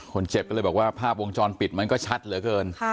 คนเจ็บก็เลยบอกว่าภาพวงจรปิดมันก็ชัดเหลือเกิน